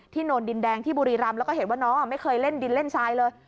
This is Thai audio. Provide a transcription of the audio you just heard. โนนดินแดงที่บุรีรำแล้วก็เห็นว่าน้องไม่เคยเล่นดินเล่นทรายเลย